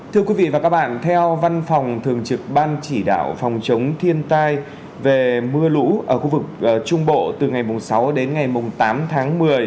thưa quý vị và các bạn theo văn phòng thường trực ban chỉ đạo phòng chống thiên tai về mưa lũ ở khu vực trung bộ từ ngày sáu đến ngày tám tháng một mươi